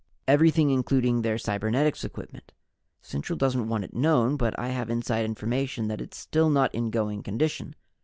"Everything including their cybernetics equipment. Central doesn't want it known, but I have inside information that it's still not in going condition.